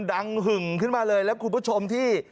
หึงขึ้นมาเลยแล้วคุณผู้ชมที่